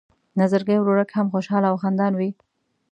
نظرګی ورورک هم خوشحاله او خندان وي.